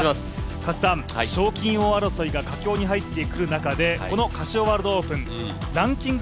賞金王争いが佳境に入ってくる中でこのカシオワールドオープン、ランキング